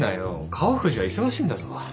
川藤は忙しいんだぞ。